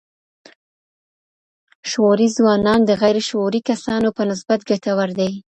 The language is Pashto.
شعوري ځوانان د غير شعوري کسانو په نسبت ګټور دي.